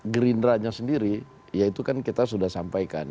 gerindranya sendiri ya itu kan kita sudah sampaikan